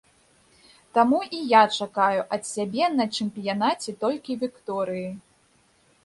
Таму і я чакаю ад сябе на чэмпіянаце толькі вікторыі.